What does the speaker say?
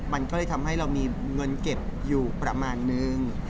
มันก็เลยทำให้เรามีเงินเก็บอยู่ประมาณนึง